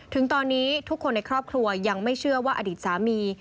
ถึงตอนนี้ทุกคนในครอบครัวยังไม่เชื่อว่าอดีตสามี